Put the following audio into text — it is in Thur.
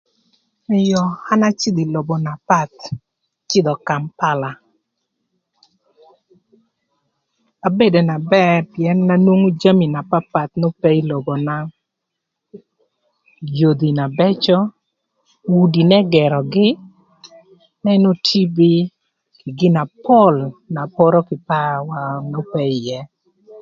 Eyo an acïdhö ï lobo na path, acïdhö Kampala abedo na bër pïën anwongo jami na papath n'ope ï lobona, yodhi na bëcö, udi n'ëgërögï, anënö TV kï gin na pol na poro kï pawa n'ope ïë.